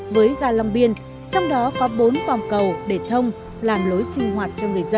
với ga long biên trong đó có bốn vòng cầu để thông làm lối sinh hoạt cho người dân